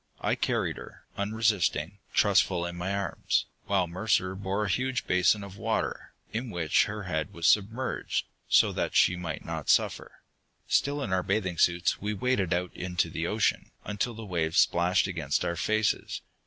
I carried her, unresisting, trustful, in my arms, while Mercer bore a huge basin of water, in which her head was submerged, so that she might not suffer. Still in our bathing suits we waded out into the ocean, until the waves splashed against our faces.